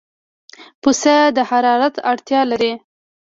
پسه د حرارت اړتیا لري.